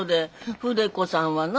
筆子さんはな